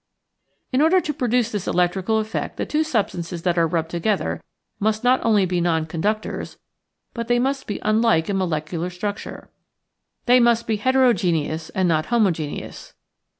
In order to produce this electrical effect the two substances that are rubbed together must not only be nonconductors, but they must be unlike in molecular structure. They must be heterogeneous and not homogeneous.